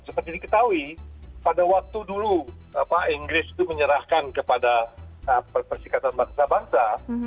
seperti diketahui pada waktu dulu inggris itu menyerahkan kepada persikatan bangsa bangsa